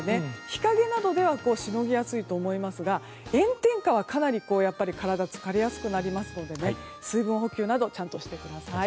日陰などではしのぎやすいと思いますが炎天下は体が疲れやすくなりますので水分補給などちゃんとしてください。